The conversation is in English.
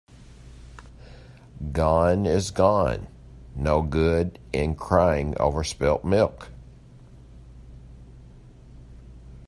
Gone is gone. No good in crying over spilt milk.